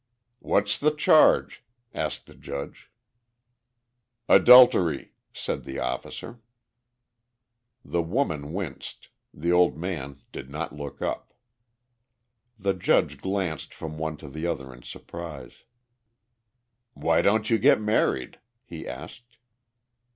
"What's the charge?" asked the judge. "Adultery," said the officer. The woman winced, the old man did not look up. The judge glanced from one to the other in surprise. "Why don't you get married?" he asked.